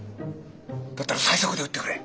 だったら最速で売ってくれ！